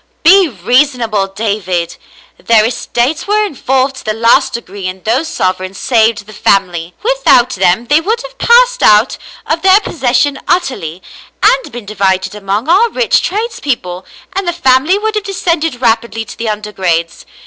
" Be reasonable, David. Their estates were involved to the last degree and those sovereigns saved the family. Without them they would have passed out of their pos session utterly, and been divided among our rich trades people, and the family would have descended rapidly to the undergrades.